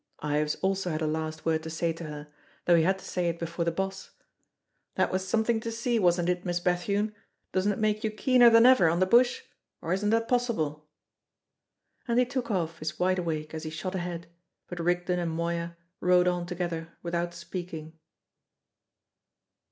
Ives also had a last word to say to her, though he had to say it before the boss. "That was something to see, wasn't it, Miss Bethune? Doesn't it make you keener than ever on the bush? Or isn't that possible?" And he took off his wideawake as he shot ahead; but Rigden and Moya rode on together without speaking.